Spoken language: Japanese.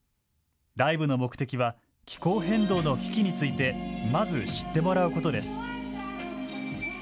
ライブの目的は気候変動の危機についてまず知ってもらうことです。